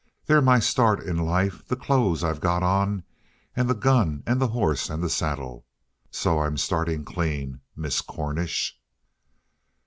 They're my start in life, the clothes I've got on and the gun and the horse and the saddle. So I'm starting clean Miss Cornish!"